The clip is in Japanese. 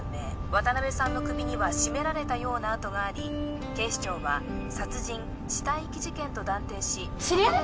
渡辺さんの首には絞められたような痕があり警視庁は殺人死体遺棄事件と断定し知り合い？